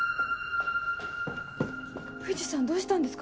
藤さんどうしたんですか？